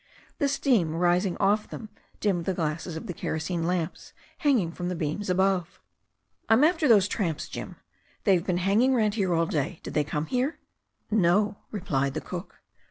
The steam rising off them dimmed the glasses of the kero sene lamps hanging from the beams above. "I'm after those tramps, Jim. They've been hanging round all day. Did they come here?" 'No," replied the cook.